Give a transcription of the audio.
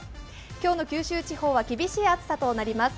今日の九州地方は厳しい暑さとなります。